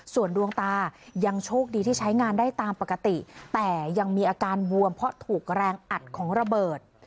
ส่วนดวงตายังโชคดีที่ใช้งานได้ตามปกติแต่ยังมีอาการบวมเพราะถูกแรงอัดของระเบิด